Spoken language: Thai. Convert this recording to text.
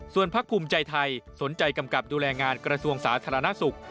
ส่วนพักภูมิใจไทยสนใจกำกับดูแลงานกระทรวงสาธารณสุข